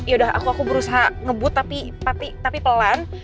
yaudah aku aku berusaha ngebut tapi pelan